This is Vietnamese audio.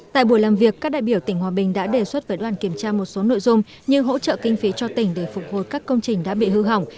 tại buổi làm việc các đại biểu tỉnh hòa bình đã đề xuất với đoàn kiểm tra một số nội dung như hỗ trợ kinh phí cho tỉnh để phục hồi các công trình đã bị hư hỏng